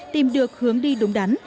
tìm được hướng đi đúng đắn